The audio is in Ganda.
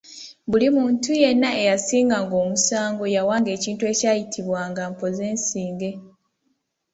"Buli muntu yenna eyasinganga omusango yawanga ekintu ekyayitibwanga, “mpozensinge”."